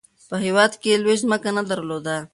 په هیواد کې یې لویشت ځمکه نه درلوده.